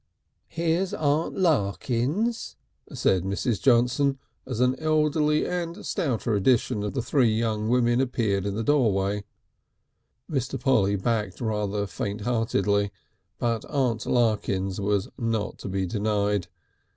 "Here's Aunt Larkins," said Mrs. Johnson, as an elderly and stouter edition of the three young women appeared in the doorway. Mr. Polly backed rather faint heartedly, but Aunt Larkins was not to be denied.